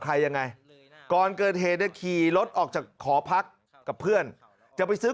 ใครยังไงก่อนเกิดเหตุเนี่ยขี่รถออกจากหอพักกับเพื่อนจะไปซื้อ